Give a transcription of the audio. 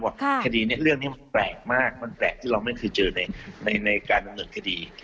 คดีนี้เรื่องนี้มันแปลกมากมันแปลกที่เราไม่เคยเจอในการดำเนินคดี